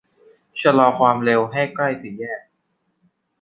ชะลอความเร็วให้ใกล้สี่แยก